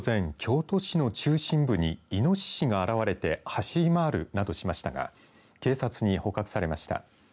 きょう午前、京都市の中心部にイノシシが現れて走り回るなどしましたが警察に捕獲されました。